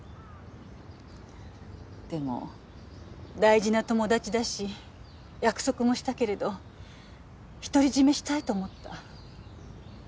でも大事な友達だし約束もしたけれど独り占めしたいと思った。